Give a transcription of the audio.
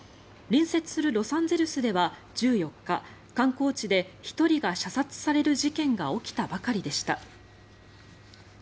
隣接するロサンゼルスでは１４日観光地で１人が射殺される事件が起きたばかりでした。